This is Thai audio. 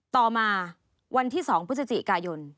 ต่อมาวันที่๒พฤศจิกายน